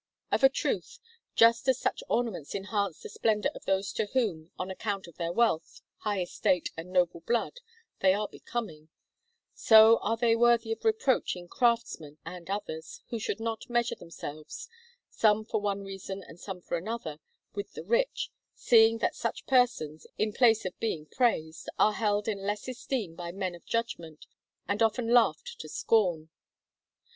Of a truth, just as such ornaments enhance the splendour of those to whom, on account of their wealth, high estate, and noble blood, they are becoming, so are they worthy of reproach in craftsmen and others, who should not measure themselves, some for one reason and some for another, with the rich, seeing that such persons, in place of being praised, are held in less esteem by men of judgment, and often laughed to scorn.